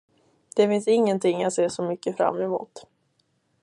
Det finns ingenting som jag ser så mycket fram emot.